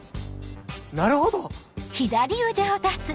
なるほど！